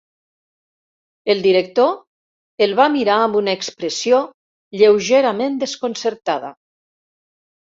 El director el va mirar amb una expressió lleugerament desconcertada.